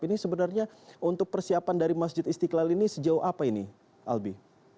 ini sebenarnya untuk persiapan dari masjid istiqlal ini sejauh apa ini albi